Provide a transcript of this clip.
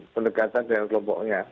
pendekatan dengan kelompoknya